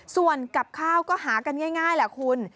ส่วนกับข้าวก็หากันง่ายแหละคุณ